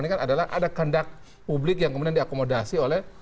ini kan adalah ada kendak publik yang kemudian diakomodasi oleh